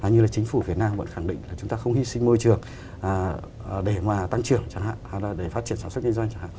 như là chính phủ việt nam vẫn khẳng định là chúng ta không hy sinh môi trường để mà tăng trưởng chẳng hạn hay là để phát triển sản xuất kinh doanh chẳng hạn